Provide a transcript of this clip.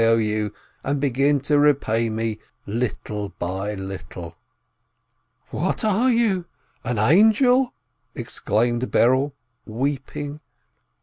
0. U., and begin to repay me little by little." "What are you, an angel ?" exclaimed Berel, weeping.